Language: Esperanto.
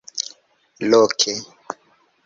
Loke.